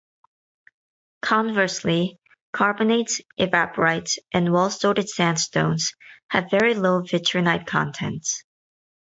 Conversely, carbonates, evaporites and well-sorted sandstones have very low vitrinite contents.